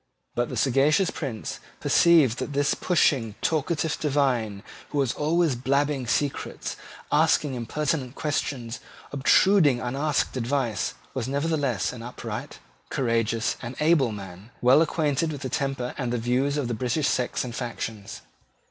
But the sagacious Prince perceived that this pushing, talkative divine, who was always blabbing secrets, asking impertinent questions, obtruding unasked advice, was nevertheless an upright, courageous and able man, well acquainted with the temper and the views of British sects and factions.